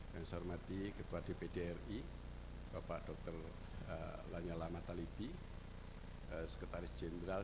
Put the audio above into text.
yang saya hormati ketua dpd ri bapak dr lanyala mataliti sekretaris jenderal